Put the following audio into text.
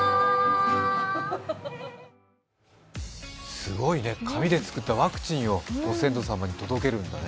すごいね、紙で作ったワクチンをご先祖様に届けるんだね。